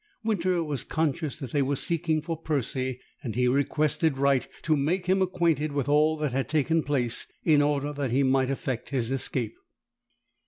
Winter was conscious that they were seeking for Percy; and he requested Wright to make him acquainted with all that had taken place, in order that he might effect his escape.